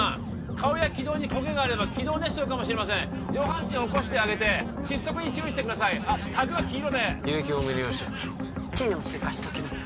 顔や気道に焦げがあれば気道熱傷かもしれません上半身を起こしてあげて窒息に注意してくださいタグは黄色で輸液多めに用意しておきましょうシーネも追加しておきます